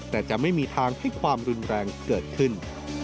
แต่จะไม่มีทางให้ความรุนแรงเกิดขึ้น